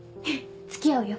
付き合うよ。